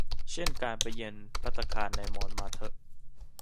เช่น การไปเยือนภัตตาคารในมอนมาร์เทอะ